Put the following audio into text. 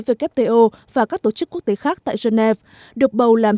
who và các tổ chức quốc tế khác tại geneva